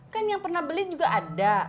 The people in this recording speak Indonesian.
kan yang pernah beli juga ada